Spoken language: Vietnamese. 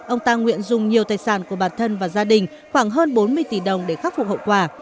ông ta nguyện dùng nhiều tài sản của bản thân và gia đình khoảng hơn bốn mươi tỷ đồng để khắc phục hậu quả